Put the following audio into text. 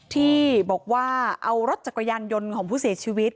ที่บอกว่าเอารถจักรยานยนต์ของผู้เสียชีวิต